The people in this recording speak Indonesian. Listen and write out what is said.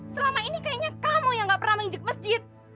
selama ini kayaknya kamu yang enggak pernah mengizik mesjid